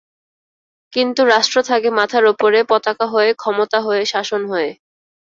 কিন্তু রাষ্ট্র থাকে মাথার ওপরে, পতাকা হয়ে, ক্ষমতা হয়ে, শাসন হয়ে।